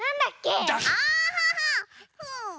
うん！